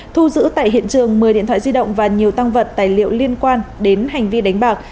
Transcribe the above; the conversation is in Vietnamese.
thu giữ tại hiện trường một mươi điện thoại di động và nhiều tăng vật tài liệu liên quan đến hành vi đánh bạc